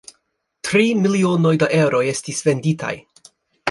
Tri milionoj da eroj estis venditaj.